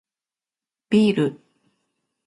ビール